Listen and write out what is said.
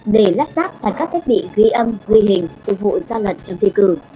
để lắp ráp thành các thiết bị ghi âm ghi hình ủng hộ gian lận trong thi cử